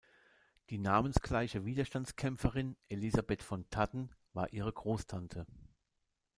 Die namensgleiche Widerstandskämpferin Elisabeth von Thadden war ihre Großtante.